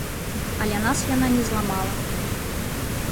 Але нас яна не зламала.